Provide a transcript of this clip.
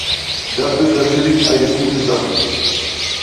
Das ist natürlich eine gute Sache.